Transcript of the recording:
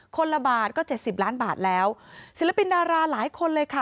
คนละบาทก็เจ็ดสิบล้านบาทแล้วศิลปินดาราหลายคนเลยค่ะ